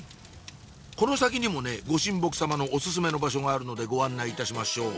この先にもね御神木さまのオススメの場所があるのでご案内いたしましょう